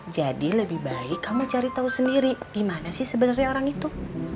jadi lebih baik kamu cari tahu sendiri gimana sih sebenarnya orang itu